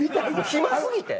暇過ぎて。